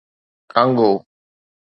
Congo